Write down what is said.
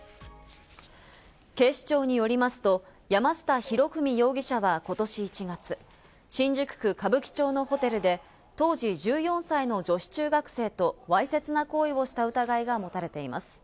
警視庁によりますと、山下裕史容疑者はことし１月、新宿・歌舞伎町のホテルで当時１４歳の女子中学生とわいせつな行為をした疑いが持たれています。